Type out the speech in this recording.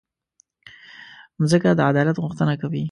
مځکه د عدالت غوښتنه کوي.